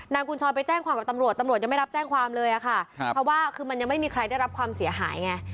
กุญชรไปแจ้งความกับตำรวจตำรวจยังไม่รับแจ้งความเลยอะค่ะเพราะว่าคือมันยังไม่มีใครได้รับความเสียหายไง